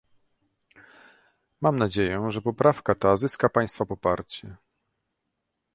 Mam nadzieję, że poprawka ta zyska Państwa poparcie